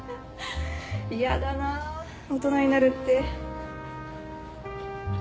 嫌だな大人になるって。